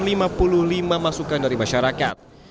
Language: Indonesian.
ini adalah lima masukan dari masyarakat